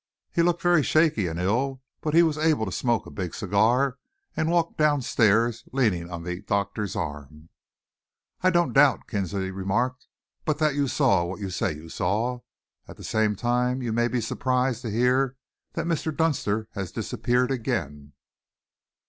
He looked very shaky and ill, but he was able to smoke a big cigar and walk down stairs leaning on the doctor's arm." "I don't doubt," Kinsley remarked, "but that you saw what you say you saw. At the same time, you may be surprised to hear that Mr. Dunster has disappeared again."